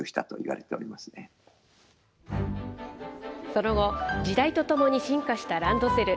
その後、時代とともに進化したランドセル。